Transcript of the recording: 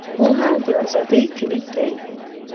• پوهه، د ازادۍ کلید دی.